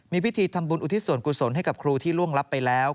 มีพิธีทำบุญอุทิศส่วนกุศลให้กับครูที่ล่วงลับไปแล้ว